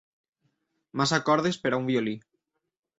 Massa cordes per a un violí.